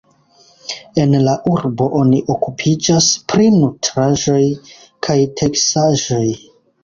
En la urbo oni okupiĝas pri nutraĵoj kaj teksaĵoj.